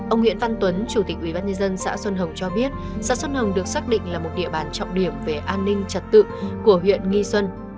ông nguyễn văn tuấn chủ tịch ubnd xã xuân hồng cho biết xã xuân hồng được xác định là một địa bàn trọng điểm về an ninh trật tự của huyện nghi xuân